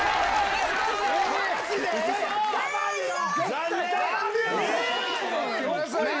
残念！